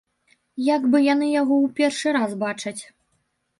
Як бы яны яго ў першы раз бачаць!